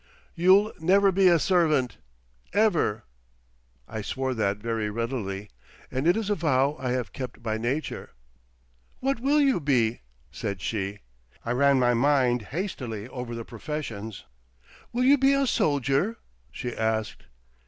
"You'll never be a servant—ever!" I swore that very readily, and it is a vow I have kept by nature. "What will you be?" said she. I ran my mind hastily over the professions. "Will you be a soldier?" she asked.